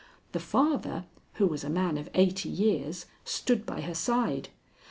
The father, who was a man of eighty years, stood by her side.